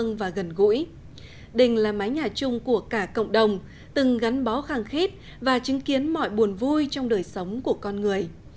ngôi đình là mái nhà chung của cả cộng đồng từng gắn bó khang khít và chứng kiến mọi buồn vui trong đời sống của con người